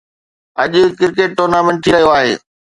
اڄ cricket tournament ٿي رهيو آهي